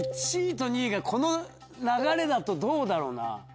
１位と２位がこの流れだとどうだろうな？